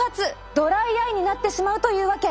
ドライアイになってしまうというわけ。